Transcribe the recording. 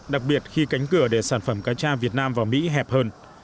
đặc biệt khi cánh cửa để sản phẩm cá cha việt nam vào mỹ hẹp hơn